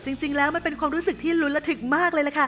จริงแล้วมันเป็นความรู้สึกที่ลุ้นระทึกมากเลยล่ะค่ะ